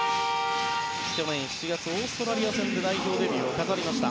去年７月オーストラリア戦で代表デビューを果たしました。